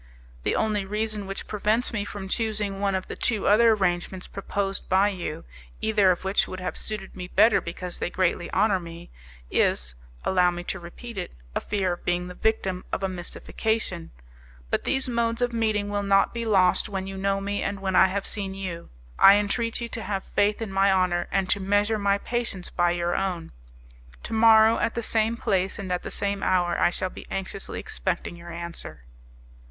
"The only reason which prevents me from choosing one of the two other arrangements proposed by you, either of which would have suited me better because they greatly honour me, is, allow me to repeat it, a fear of being the victim of a mystification; but these modes of meeting will not be lost when you know me and when I have seen you. I entreat you to have faith in my honour, and to measure my patience by your own. Tomorrow, at the same place and at the same hour, I shall be anxiously expecting your answer."